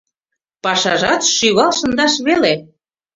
Пашажат шӱвал шындаш веле.